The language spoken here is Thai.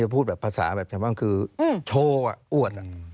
พูดแบบภาษาแบบแบบไหนบ้างคือโชว์อ่ะอวด